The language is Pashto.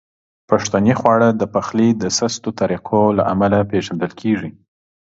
پښتني خواړه د پخلي د سستو طریقو له امله پیژندل کیږي.